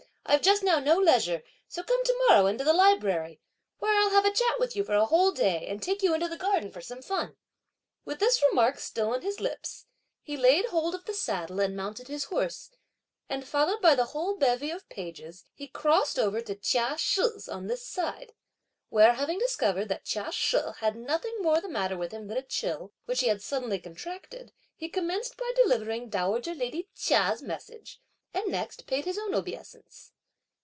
I've just now no leisure, so come to morrow, into the library, where I'll have a chat with you for a whole day, and take you into the garden for some fun!" With this remark still on his lips, he laid hold of the saddle and mounted his horse; and, followed by the whole bevy of pages, he crossed over to Chia She's on this side; where having discovered that Chia She had nothing more the matter with him than a chill which he had suddenly contracted, he commenced by delivering dowager lady Chia's message, and next paid his own obeisance.